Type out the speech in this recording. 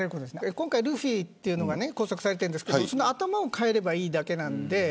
今回、ルフィというのが拘束されましたがその頭を変えればいいだけなんで。